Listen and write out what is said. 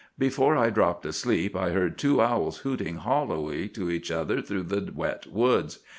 Before I dropped asleep I heard two owls hooting hollowly to each other through the wet woods.